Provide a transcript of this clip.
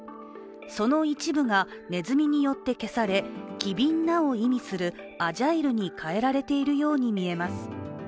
その一部がねずみによって消され「機敏な」を意味する「アジャイル」に変えられているように見えます。